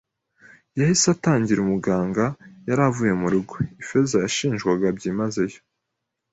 yahise atangira umuganga yari avuye mu rugo. Ifeza yashinjwaga byimazeyo